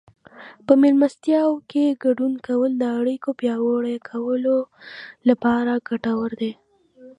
په مېلمستیاوو کې ګډون کول د اړیکو پیاوړي کولو لپاره ګټور دي.